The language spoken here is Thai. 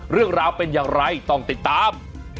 เรื่องราวเป็นอย่างไรต้องติดตาม